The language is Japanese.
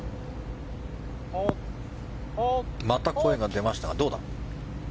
また声が出ましたがどうだ。